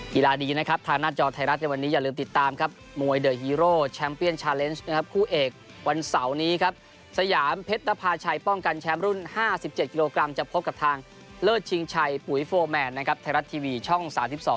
ธีระดีนะครับทางหน้าจอไทยรัฐในวันนี้อย่าลืมติดตามครับ